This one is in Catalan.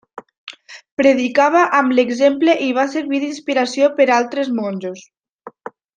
Predicava amb l'exemple i va servir d'inspiració per altres monjos.